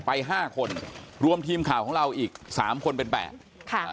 ไป๕คนรวมทีมข่าวของเราอีก๓คนเป็นแปะ